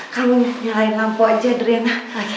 kamu nyalain lampu aja drena